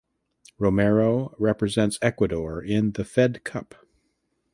Romero represents Ecuador in the Fed Cup.